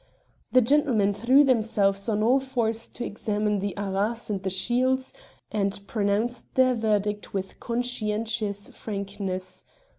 The gentlemen threw themselves on all fours to examine the arras and the shields, and pronounced their verdict with conscientious frankness.